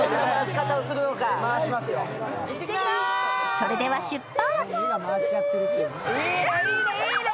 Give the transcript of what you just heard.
それでは出発！